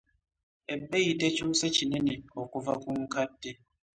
Ebbeeyi tekyuse kinene kuva ku nkadde.